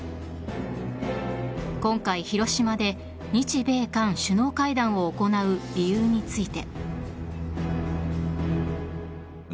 今回、広島で日米韓首脳会談を行う理由について。